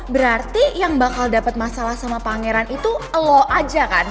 berarti yang bakal dapat masalah sama pangeran itu low aja kan